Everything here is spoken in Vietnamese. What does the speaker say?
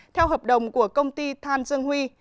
theo hợp đồng của công ty thàn dương huy